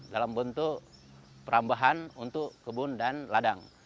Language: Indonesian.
dalam bentuk perambahan untuk kebun dan ladang